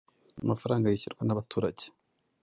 Amafaranga yishyurwa nabaturage